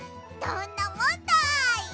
どんなもんだい！